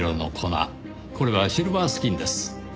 これはシルバースキンです。